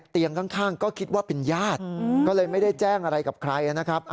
ข้างก็คิดว่าเป็นญาติก็เลยไม่ได้แจ้งอะไรกับใครนะครับ